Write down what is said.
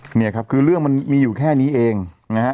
เนี่ยครับคือเรื่องมันมีอยู่แค่นี้เองนะฮะ